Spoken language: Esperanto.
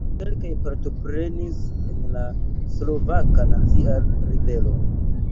Kelkaj partoprenis en la Slovaka Nacia Ribelo.